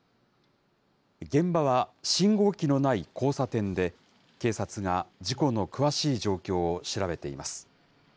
現場は信号機のない交差点で、警察が事故の詳しい状況を調べています。